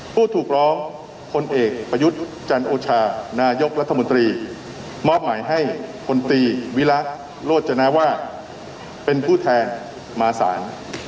ผู้ถูกร้องพลเอกประยุทธ์จันโอชานายกรัฐมนตรีมอบหมายให้พลตรีวิรักษ์โรจนาวาสเป็นผู้แทนมาสาร